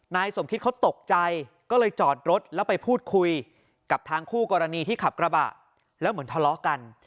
นายสมคิดเขาตกใจก็เลยจอดรถแล้วไปพูดคุยกับทางคู่กรณีที่ขับกระบะแล้วเหมือนทะเลาะกัน